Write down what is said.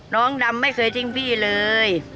น้องดำไม่เคยทิ้งพี่เลย